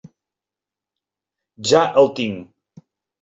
Ja el tinc.